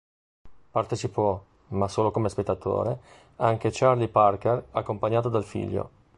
Partecipò, ma solo come spettatore, anche Charlie Parker accompagnato dal figlio.